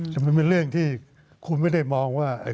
แต่มันเป็นเรื่องที่คุณไม่ได้มองว่า